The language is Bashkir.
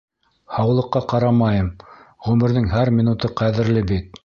Һаулыҡҡа ҡарамайым, ғүмерҙең һәр минуты ҡәҙерле бит!